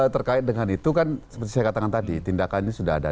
terkait dengan itu kan seperti saya katakan tadi tindakannya sudah ada